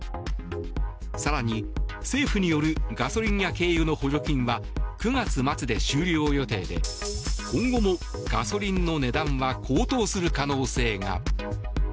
更に、政府によるガソリンや軽油の補助金は９月末で終了予定で今後もガソリンの値段は高騰する可能性が。